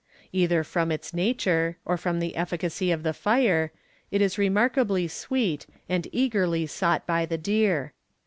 Either from its nature, or from the efficacy of the fire, it is remarkably sweet, and eagerly sought by the deer.